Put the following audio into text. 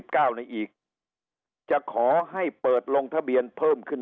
กันในวันที่๑๙นี้อีกจะขอให้เปิดลงทะเบียนเพิ่มขึ้น